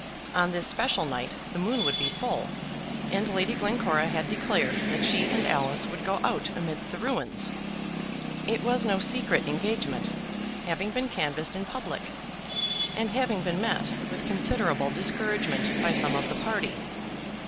On this special night the moon would be full, and Lady Glencora had declared that she and Alice would go out amidst the ruins. It was no secret engagement, having been canvassed in public, and having been met with considerable discouragement by some of the party.